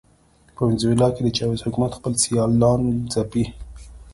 په وینزویلا کې د چاوېز حکومت خپل سیالان ځپي.